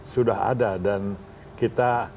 sudah ada dan kita